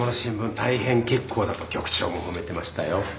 大変結構だと局長も褒めてましたよ。